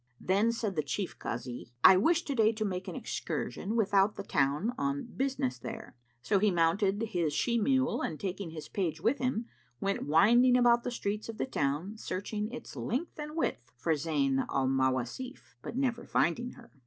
Then said the Chief Kazi, "I wish to day to make an excursion without the town on business there." So he mounted his she mule and taking his page with him, went winding about the streets of the town, searching its length and width for Zayn al Mawasif, but never finding her.